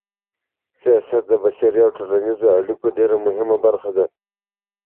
سياست د بشري او ټولنيزو اړيکو ډېره مهمه برخه ده.